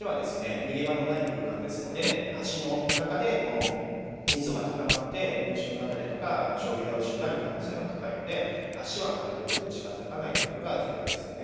逃げ場のない空間ですので橋の中で密度が高まって群集雪崩とか将棋倒しになる可能性が高いので橋はなるべく近づかないというのが重要ですよね。